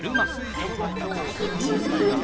ぐりぐりぐり。